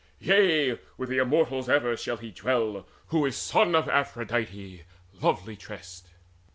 Yea, with the Immortals ever shall he dwell, Who is son of Aphrodite lovely tressed.